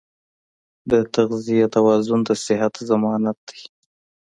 د تغذیې توازن د صحت ضمانت دی.